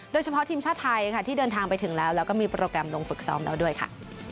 โดยเฉพาะทีมชาติไทยค่ะที่เดินทางไปถึงแล้วแล้วก็มีโปรแกรมลงฝึกซ้อมแล้วด้วยค่ะ